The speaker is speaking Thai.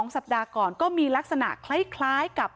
สัปดาห์ก่อนก็มีลักษณะคล้ายกับ